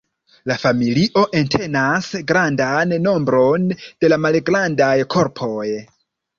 La familio entenas grandan nombron da malgrandaj korpoj.